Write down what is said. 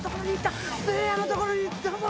せいやのところに行ったぞ！